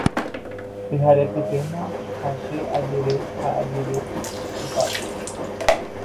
Pyharepytéma ha che ajere ha ajere tupápe